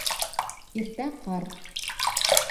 Иртә ҡар